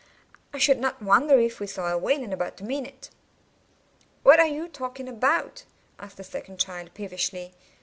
I should not wonder if we saw a whale in about a minute." "What are you talking about?" asked the second child, peevishly.